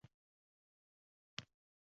Orolbo‘yida baxshi va jirovlar ovozi yangradi